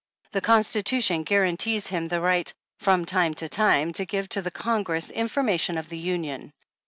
The Constitution guarantees him the right ' from time to time to give to the Congress information of the Union.